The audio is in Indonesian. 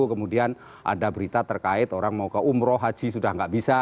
kemudian ada berita terkait orang mau ke umroh haji sudah tidak bisa